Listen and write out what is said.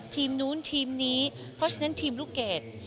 ทีมนู้นทีมนี้เพราะฉะนั้นทีมลูกเกด